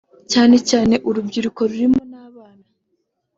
cyane cyane urubyiruko rurimo n’abana